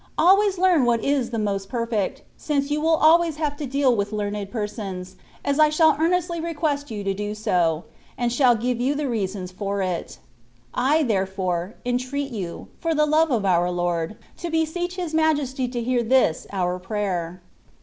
Always learn what is the most per fect, since you will always have to deal with learned persons, as I shall earnestly request you to do so, and shall give you the reasons for it. I, therefore, entreat ^ou, for the love of our Lord, to beseech His Majesty to hear this our prayer.